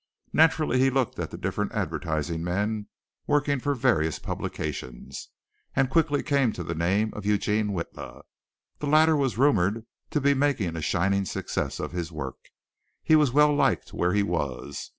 Naturally he looked at the different advertising men working for various publications, and quickly came to the name of Eugene Witla. The latter was rumored to be making a shining success of his work. He was well liked where he was.